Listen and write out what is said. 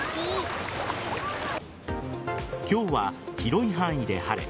今日は広い範囲で晴れ。